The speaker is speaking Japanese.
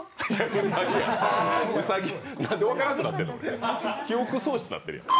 兎や、なんで分からなくなってるの記憶喪失になってるやん。